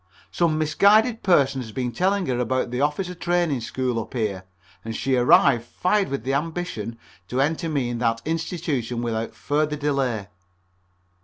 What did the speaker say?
Some misguided person had been telling her about the Officer Training School up here, and she arrived fired with the ambition to enter me into that institution without further delay.